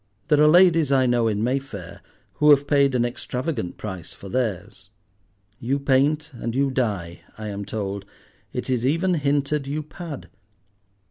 There are ladies I know, in Mayfair, who have paid an extravagant price for theirs. You paint and you dye, I am told: it is even hinted you pad.